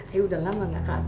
ayu udah lama nggak ke atm